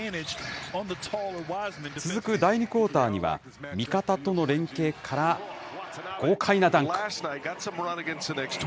続く第２クオーターには、味方との連携から、豪快なダンク。